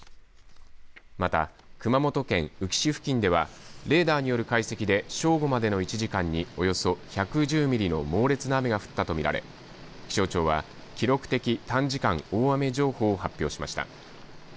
また熊本県宇城市付近ではレーダーによる解析で正午までの１時間におよそ１１０ミリの猛烈な雨が降ったと見られ気象庁は記録的短時間大雨情報を発表しました。